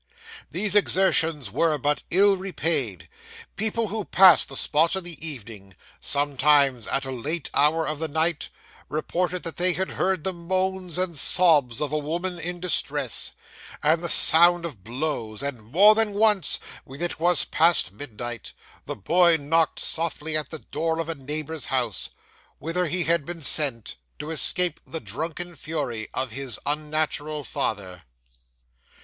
These exertions were but ill repaid. People who passed the spot in the evening sometimes at a late hour of the night reported that they had heard the moans and sobs of a woman in distress, and the sound of blows; and more than once, when it was past midnight, the boy knocked softly at the door of a neighbour's house, whither he had been sent, to escape the drunken fury of his unnatural father.